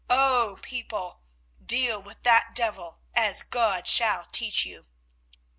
O people, deal with that devil as God shall teach you.